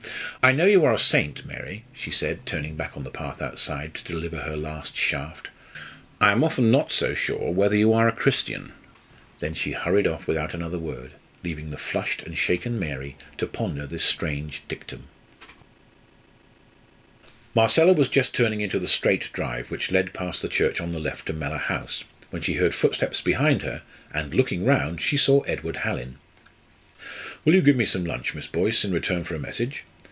"I know you are a saint, Mary," she said, turning back on the path outside to deliver her last shaft. "I am often not so sure whether you are a Christian!" Then she hurried off without another word, leaving the flushed and shaken Mary to ponder this strange dictum. Marcella was just turning into the straight drive which led past the church on the left to Mellor House, when she heard footsteps behind her, and, looking round, she saw Edward Hallin. "Will you give me some lunch, Miss Boyce, in return for a message?